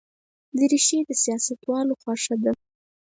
دریشي د سیاستوالو خوښه ده.